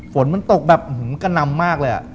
ฝนมันตกแบบกระนำมากเลย